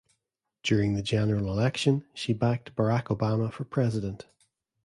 During the general election she backed Barack Obama for president.